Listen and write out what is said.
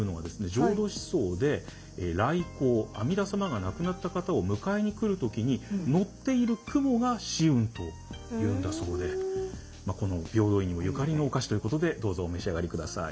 浄土思想で来迎阿弥陀様が亡くなった方を迎えに来る時に乗っている雲が紫雲というんだそうでこの平等院にもゆかりのお菓子ということでどうぞお召し上がりください。